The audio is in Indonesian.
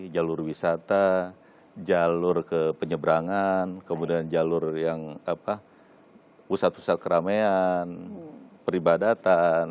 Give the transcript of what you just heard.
jalur wisata jalur ke penyeberangan kemudian jalur yang pusat pusat keramaian peribadatan